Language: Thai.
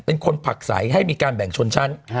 เป็นคนผักใสให้มีการแบ่งชนชั้น